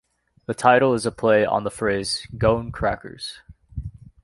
The title is a play on the phrase "Goin' Crackers".